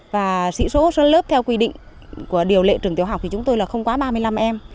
và sĩ số xuống lớp theo quy định của điều lệ trường tiểu học thì chúng tôi là không quá ba mươi năm em